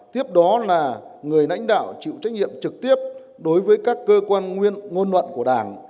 tiếp đó là người lãnh đạo chịu trách nhiệm trực tiếp đối với các cơ quan ngôn luận của đảng